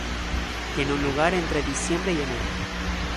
Tiene lugar entre diciembre y enero.